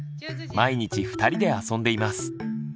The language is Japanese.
毎日２人で遊んでいます。